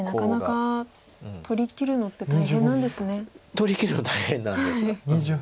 取りきるの大変なんです。